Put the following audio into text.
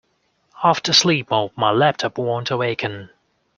After sleep mode, my laptop won't awaken.